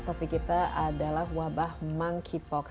topik kita adalah wabah monkeypox